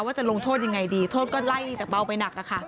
ว่าจะลงโทษอย่างไรดีโทษก็ไล่จากเบาไปหนัก